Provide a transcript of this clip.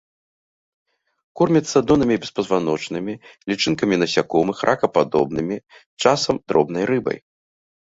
Корміцца доннымі беспазваночнымі, лічынкамі насякомых, ракападобнымі, часам дробнай рыбай.